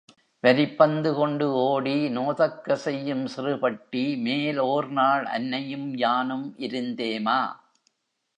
வரிப்பந்து கொண்டு ஓடி நோதக்கசெய்யும் சிறுபட்டி, மேல் ஓர் நாள் அன்னையும் யானும் இருந்தேமா.